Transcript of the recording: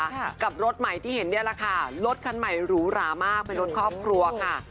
ค่ะกับรถใหม่ที่เห็นเนี่ยแหละค่ะรถคันใหม่หรูหรามากเป็นรถครอบครัวค่ะ